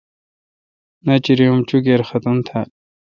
ناچریانو اں چوکیر ختم تھال۔